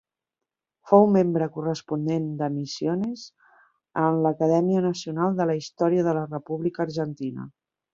Fou membre corresponent de Misiones en l'Acadèmia Nacional de la Història de la República Argentina.